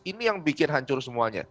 ini yang bikin hancur semuanya